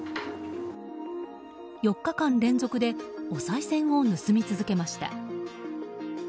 ４日間連続でおさい銭を盗み続けました。